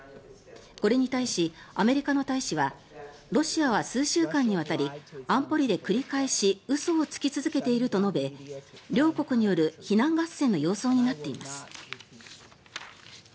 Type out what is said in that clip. これに対しアメリカの大使はロシアは数週間にわたり安保理で繰り返し嘘をつき続けていると述べ両国による非難合戦の様相になっています。